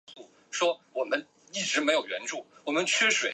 欧卡是葡萄牙阿威罗区的一个堂区。